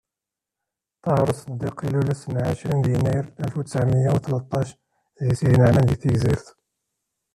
Ṭaher Useddiq, ilul ass n, εecrin deg yennayer alef u tesεemya u tleṭṭac, deg Sidi Neεman deg-Tegzirt.